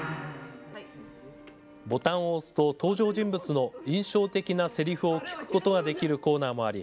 ボタンを押すと登場人物の印象的なセリフを聞くことができるコーナーもあり